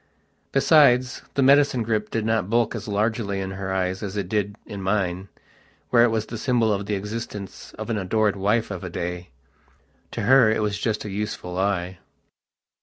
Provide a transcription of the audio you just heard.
Besides, the medicine grip did not bulk as largely in her eyes as it did in mine, where it was the symbol of the existence of an adored wife of a day. To her it was just a useful lie....